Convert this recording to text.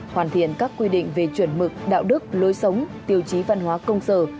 hoàn thiện các quy định về chuẩn mực đạo đức lối sống tiêu chí văn hóa công sở